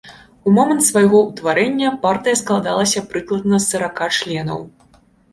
У момант свайго ўтварэння партыя складалася прыкладна з сарака членаў.